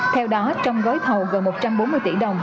theo đó trong gói thầu gần một trăm bốn mươi tỷ đồng